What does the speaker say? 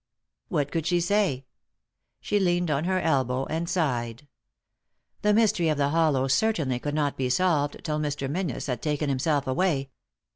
What could she say ? She leaned on her elbow and sighed. The mystery of the hollow certainly could not be solved till Mr. Menzies had taken himself away.